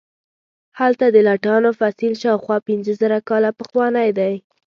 هلته د لټانو فسیل شاوخوا پنځه زره کاله پخوانی دی.